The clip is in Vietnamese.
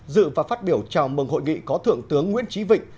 dự và phát biểu chào mừng hội nghị có thượng tướng nguyễn trí vịnh